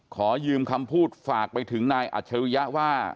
ขอยืมคำพูดฝากไปถึงนายอัจฉริยะว่า